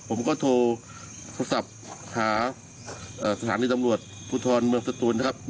ผมก็โทรโทรศัพท์หาสถานีตำรวจภูทรเมืองสตูนนะครับ